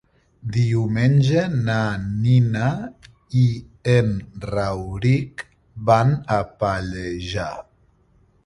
Diumenge na Nina i en Rauric van a Pallejà.